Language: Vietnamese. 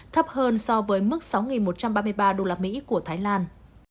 thấp hơn so với mức sáu một trăm ba mươi ba usd của thái lan